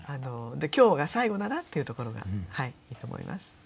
で今日が最後だなっていうところがいいと思います。